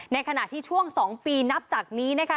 ขณะที่ช่วง๒ปีนับจากนี้นะคะ